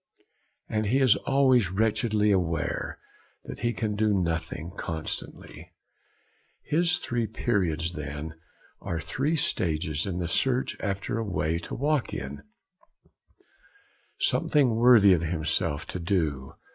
And he is always wretchedly aware that he 'can do nothing constantly.' His three periods, then, are three stages in the search after a way to walk in, something worthy of himself to do.